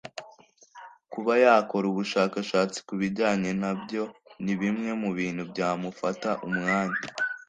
kuba yakora ubushakashatsi ku bijyanye nabyo ni bimwe mu bintu byamufata umwanya